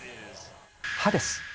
歯です。